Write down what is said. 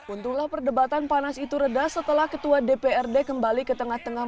untunglah perdebatan panas itu reda setelah ketua dprd kembali ke tengah tengah